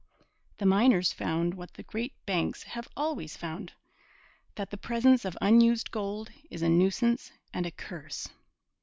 The miners found what the great banks have always found, that the presence of unused gold is a nuisance and a curse.